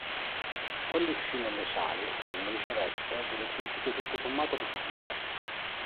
Quando uscì nelle sale il film ricevette delle critiche tutto sommato positive.